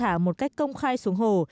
nó thả một cách công khai xuống hồ